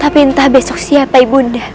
tapi entah besok siapa ibu